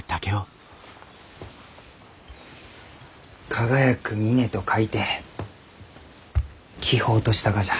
輝く峰と書いて輝峰としたがじゃ。